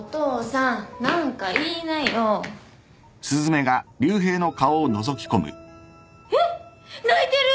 んっ？えっ！？泣いてる！